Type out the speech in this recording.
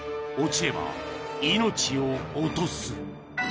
［落ちれば命を落とす］